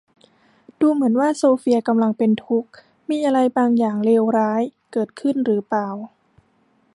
ดูเหมือนว่าโซเฟียกำลังเป็นทุกข์ มีอะไรบางอย่างเลวร้ายเกิดขึ้นหรือเปล่า ?